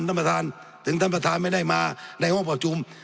ท่านประธานถึงท่านประธานไม่ได้มาในห้องประชุม